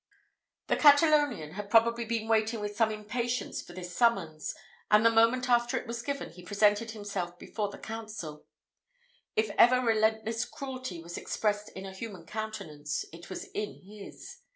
The Catalonian had probably been waiting with some impatience for this summons; and the moment after it was given, he presented himself before the council. If ever relentless cruelty was expressed in a human countenance, it was in his.